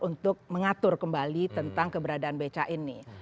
untuk mengatur kembali tentang keberadaan beca ini